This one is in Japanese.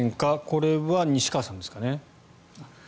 これは西川さんですかね。